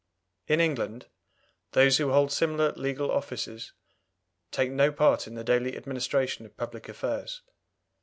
In England, those who hold similar legal offices take no part in the daily administration of public affairs.